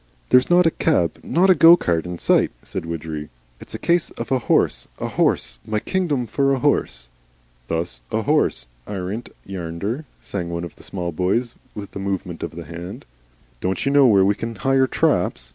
"There's not a cab, not a go cart, in sight," said Widgery. "It's a case of a horse, a horse, my kingdom for a horse." "There's a harse all right," said one of the small boys with a movement of the head. "Don't you know where we can hire traps?"